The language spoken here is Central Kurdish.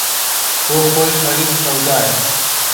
بۆ خۆی خەریک سەودایە